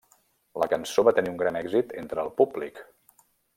La cançó va tenir un gran èxit entre el públic.